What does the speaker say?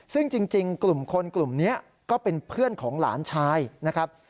ซึ่งจริงกลุ่มคนกลุ่มนี้ก็เป็นเพื่อนของหลานชายนะครับ